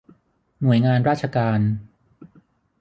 หน่วยงานราชการ